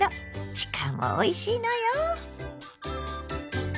しかもおいしいのよ！